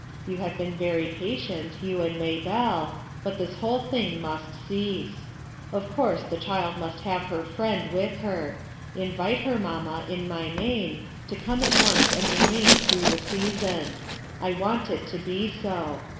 You have been very patient, you and Maybelle, but this whole thing must cease. Of course the child must have her friend with her. Invite her, mamma, in my name, to come at once and remain through the season. I want it to be so.